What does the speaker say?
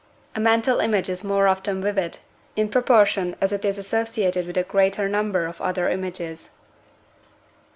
A mental image is more often vivid, in proportion as it is associated with a greater number of other images.